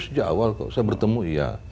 sejak awal kok saya bertemu iya